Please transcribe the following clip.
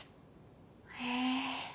へえ。